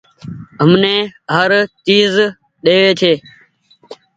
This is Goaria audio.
همني هر چئيز ۮيوي ڇي